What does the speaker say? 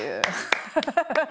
ハハハハハ。